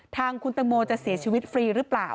ทางคุณตังโมจะเสียชีวิตฟรีหรือเปล่า